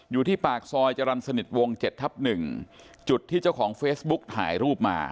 อยู่ที่ปากซอยจรรย์สนิทวง๗ทับ๑จุดที่เจ้าของเฟซบุ๊กถ่ายรูปมา